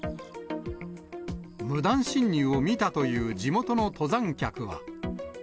無断侵入を見たという地元の登山客は。